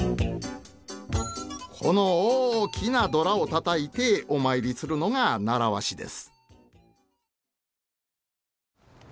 この大きなドラをたたいてお参りするのが習わしです。